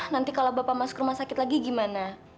nanti kalau bapak masuk rumah sakit lagi gimana